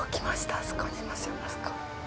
あそこにいますよあそこ。